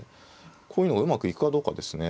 こういうのがうまくいくかどうかですね。